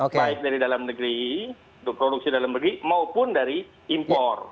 baik dari dalam negeri untuk produksi dalam negeri maupun dari impor